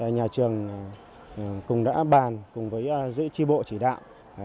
nhà trường cùng đã bàn cùng với giữa tri bộ chỉ đạo